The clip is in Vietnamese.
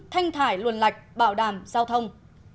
thanh thải luồn lạch bảo đảm giao thông